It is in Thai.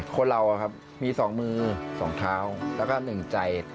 คนเรามีสองมือสองเท้าแล้วก็หนึ่งใจ